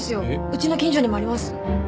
うちの近所にもあります。